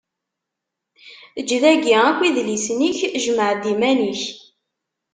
Ejj dagi akk idlisen-ik; jmeɛ-d iman-ik.